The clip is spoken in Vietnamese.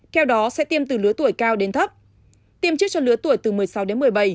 theo đó sẽ tiêm từ lứa tuổi cao đến thấp tiêm trước cho lứa tuổi từ một mươi sáu đến một mươi bảy